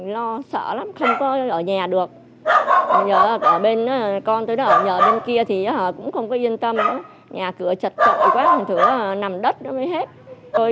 lo sợ lắm không có ở nhà được nhờ ở bên con tôi ở bên kia thì họ cũng không có yên tâm nhà cửa chật chội quá làm thứ nằm đất mới hết